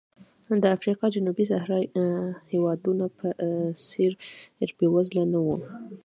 د افریقا جنوبي صحرا هېوادونو په څېر بېوزله نه و.